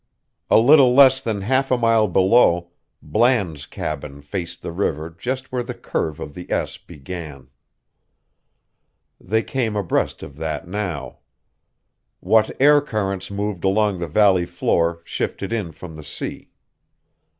A little less than half a mile below, Bland's cabin faced the river just where the curve of the S began. They came abreast of that now. What air currents moved along the valley floor shifted in from the sea.